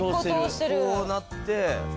こうなってこう。